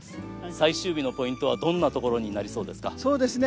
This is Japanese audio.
最終日のポイントは、どんなところになりそうですか。